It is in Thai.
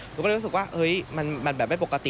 หนูก็เลยรู้สึกว่าเฮ้ยมันแบบไม่ปกติ